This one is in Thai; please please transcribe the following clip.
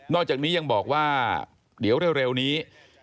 อกจากนี้ยังบอกว่าเดี๋ยวเร็วนี้